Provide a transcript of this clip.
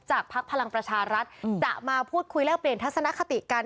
พักพลังประชารัฐจะมาพูดคุยแลกเปลี่ยนทัศนคติกัน